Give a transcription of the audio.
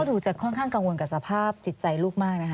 ดูจะค่อนข้างกังวลกับสภาพจิตใจลูกมากนะคะ